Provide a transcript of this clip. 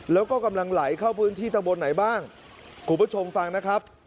แล้วก็กำลังไหลเข้าพื้นที่ตะบนไหนบ้างคุณผู้ชมฟังนะครับ